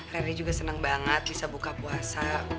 rere juga seneng banget bisa buka puasa